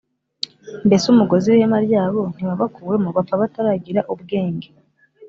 mbese umugozi w’ihema ryabo ntiwabakuwemo’ bapfa bataragira ubwenge